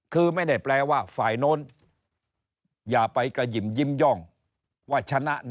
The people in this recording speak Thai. คือไม่ได้แปลว่าฝ่ายโน้นอย่าไปกระหยิ่มยิ้มย่องว่าชนะ